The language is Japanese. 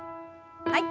はい。